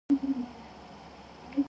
His background was Jewish and Hungarian.